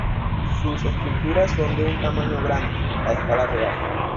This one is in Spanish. Sus esculturas son de un tamaño grande, a escala real.